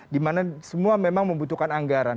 di mana semua memang membutuhkan anggaran